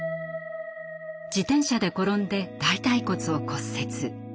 自転車で転んで大たい骨を骨折。